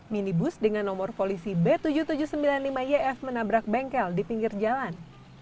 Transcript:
minibus dengan nomor polisi b tujuh ribu tujuh ratus sembilan puluh lima yf menabrak bengkel di pinggir jalan